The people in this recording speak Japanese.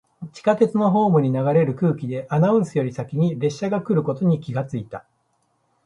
地下鉄のホームに流れる空気で、アナウンスより先に列車が来ることに気がついた。